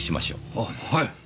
あっはい。